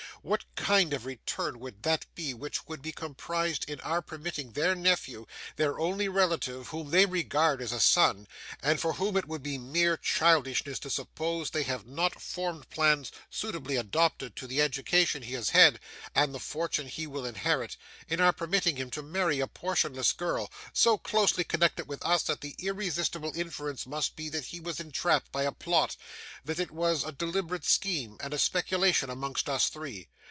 What kind of return would that be which would be comprised in our permitting their nephew, their only relative, whom they regard as a son, and for whom it would be mere childishness to suppose they have not formed plans suitably adapted to the education he has had, and the fortune he will inherit in our permitting him to marry a portionless girl: so closely connected with us, that the irresistible inference must be, that he was entrapped by a plot; that it was a deliberate scheme, and a speculation amongst us three?